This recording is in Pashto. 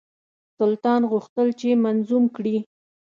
سلطان غوښتل چې منظوم کړي.